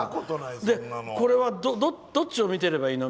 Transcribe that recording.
これはどっちを見てればいいの？